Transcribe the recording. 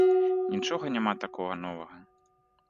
Нічога няма такога новага.